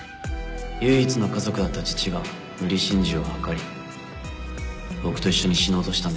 唯一の家族だった父が無理心中を図り僕と一緒に死のうとしたんです